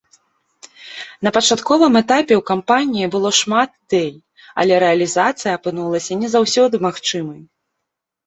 На пачатковым этапе ў кампаніі было шмат ідэй, але рэалізацыя апынулася не заўсёды магчымай.